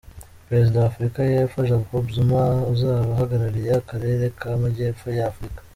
Perezida wa Afurika yepfo, Jacob Zuma, uzaba ahagarariye akarere k'amajyepfo ya Afurika;.